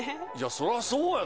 そりゃそうやんな。